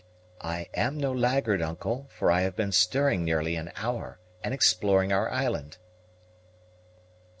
"I am no laggard, Uncle; for I have been stirring nearly an hour, and exploring our island."